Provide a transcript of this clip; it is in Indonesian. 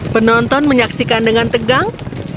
penonton menyaksikan dengan tegang